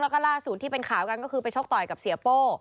แล้วก็ล่าสุดที่เป็นข่าวกันก็คือไปชกต่อยกับเสียโป้